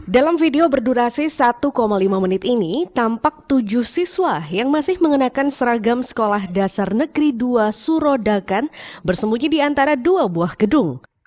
dalam video berdurasi satu lima menit ini tampak tujuh siswa yang masih mengenakan seragam sekolah dasar negeri dua surodakan bersembunyi di antara dua buah gedung